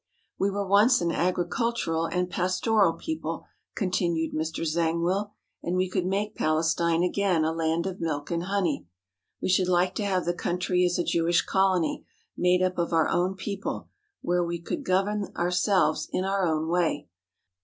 "We were once an agricultural and pastoral people," continued Mr. Zangwill, "and we could make Palestine again a land of milk and honey. We should like to have the country as a Jewish colony, made up of our own peo ple, where we could govern ourselves in our own way.